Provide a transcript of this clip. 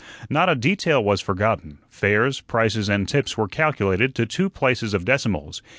Not a detail was forgotten fares, prices, and tips were calculated to two places of decimals.